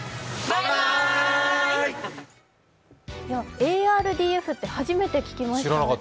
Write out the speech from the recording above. ＡＲＤＦって初めて聞きました。